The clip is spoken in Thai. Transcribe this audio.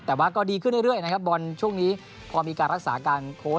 แต่ว่าก็ดีขึ้นเรื่อยบอลช่วงนี้พอมีการรักษาการ